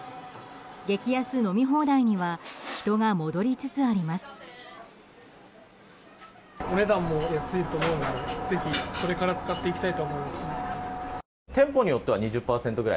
激安飲み放題には人が戻りつつあります。